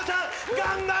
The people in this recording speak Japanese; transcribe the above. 頑張れ！